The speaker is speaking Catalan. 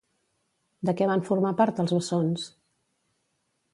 De què van formar part els bessons?